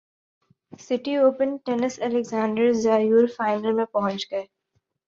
city open tennis Alexander Zverev final میں پہنچ گئے